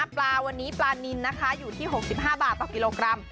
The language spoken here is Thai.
ปลาวันนี้ปลานินนะคะอยู่ที่๖๕บาทต่อกิโลกรัม